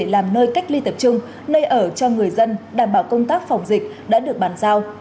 làm nơi cách ly tập trung nơi ở cho người dân đảm bảo công tác phòng dịch đã được bàn giao